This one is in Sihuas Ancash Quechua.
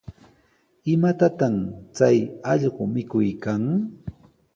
¿Imatataq chay allqu mikuykan?